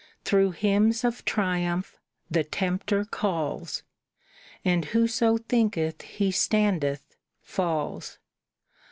Through hymns of triumph the tempter calls, And whoso thinketh he standeth falls.